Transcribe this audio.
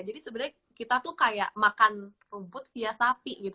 jadi sebenarnya kita tuh kayak makan rumput via sapi gitu